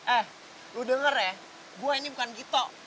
eh lu denger ya gue ini bukan gito